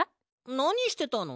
なにしてたの？